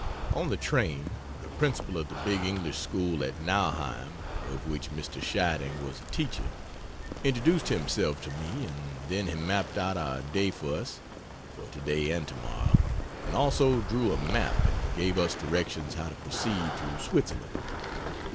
On the train the principal of the big English school at Nauheim (of which Mr. Scheiding was a teacher), introduced himself to me, and then he mapped out our day for us (for today and tomorrow) and also drew a map and gave us directions how to proceed through Switzerland.